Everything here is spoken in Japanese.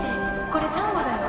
これサンゴだよ。